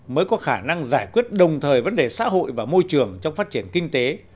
mới có khả năng giải quyết đồng thời vấn đề xã hội và môi trường trong phát triển kinh tế